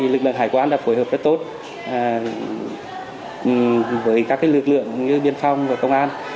lực lượng hải quan đã phối hợp rất tốt với các lực lượng biên phòng và công an